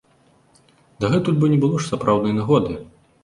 Дагэтуль бо не было ж сапраўднай нагоды.